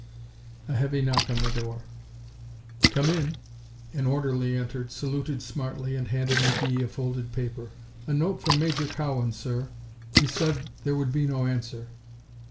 A heavy knock on the door. "Come in." An orderly entered, saluted smartly, and handed McGee a folded paper. "A note from Major Cowan, sir. He said there would be no answer."